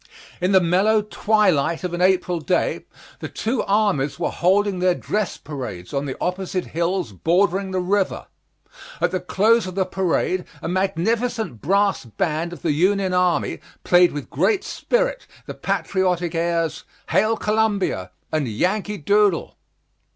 In the mellow twilight of an April day the two armies were holding their dress parades on the opposite hills bordering the river. At the close of the parade a magnificent brass band of the Union army played with great spirit the patriotic airs, "Hail Columbia," and "Yankee Doodle."